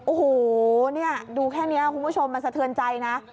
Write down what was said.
โอ้โหเนี่ยดูแค่นี้คุณผู้ชมมันสะเทือนใจนะ